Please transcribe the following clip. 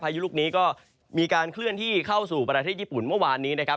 ยุลูกนี้ก็มีการเคลื่อนที่เข้าสู่ประเทศญี่ปุ่นเมื่อวานนี้นะครับ